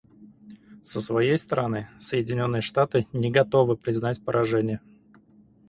Со своей стороны, Соединенные Штаты не готовы признать поражение.